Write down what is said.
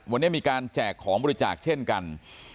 วันนี้มีการแจกของบริจาคเช่นกัน